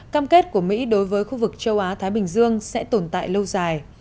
cam kết của mỹ đối với khu vực châu á thái bình dương sẽ tồn tại lâu dài